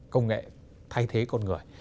công nghệ thay thế con người